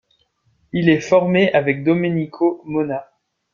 Il est formé avec Domenico Mona.